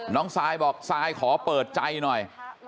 ซายบอกซายขอเปิดใจหน่อย